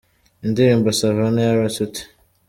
Indirimbo Savana ya R Tuty :.